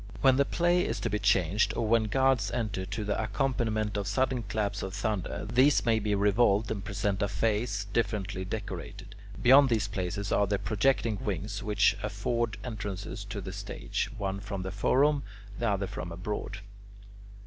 When the play is to be changed, or when gods enter to the accompaniment of sudden claps of thunder, these may be revolved and present a face differently decorated. Beyond these places are the projecting wings which afford entrances to the stage, one from the forum, the other from abroad.